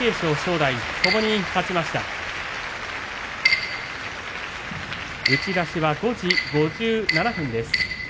打ち出しは５時５７分です。